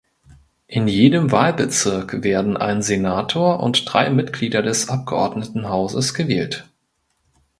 In jedem Wahlbezirk werden ein Senator und drei Mitglieder des Abgeordnetenhauses gewählt.